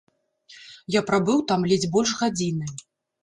Я прабыў там ледзь больш гадзіны.